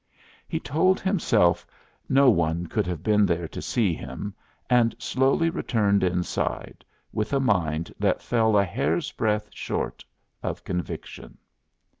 He told himself no one could have been there to see him, and slowly returned inside, with a mind that fell a hair's breadth short of conviction.